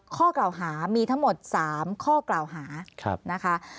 ข้อกล่าวหามีทั้งหมด๓ข้อกล่าวหานะคะ